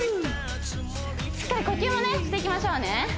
しっかり呼吸もしていきましょうね